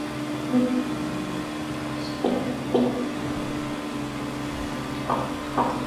নতুন শাখাসম্প্রতি ঢাকার বনানীতে লেকশোর হোটেলে চালু হলো বারিস্তা লাভাজ্জার নতুন শাখা।